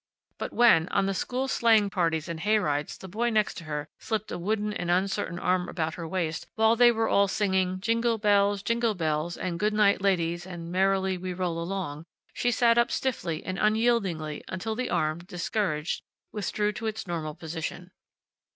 But when, on the school sleighing parties and hay rides the boy next her slipped a wooden and uncertain arm about her waist while they all were singing "Jingle Bells, Jingle Bells," and "Good Night Ladies," and "Merrily We Roll Along," she sat up stiffly and unyieldingly until the arm, discouraged, withdrew to its normal position.